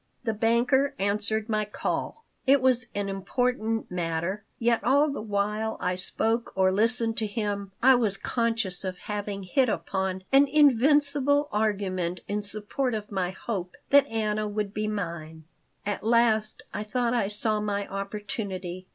The banker answered my call. It was an important matter, yet all the while I spoke or listened to him I was conscious of having hit upon an invincible argument in support of my hope that Anna would be mine At last I thought I saw my opportunity.